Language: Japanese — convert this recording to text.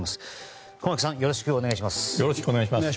よろしくお願いします。